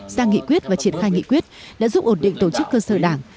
sang nghị quyết và triển khai nghị quyết đã giúp ổn định tổ chức cơ sở đảng